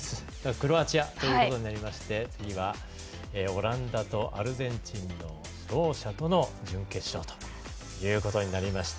クロアチアということになりまして次は、オランダとアルゼンチンの勝者との準決勝ということになりました。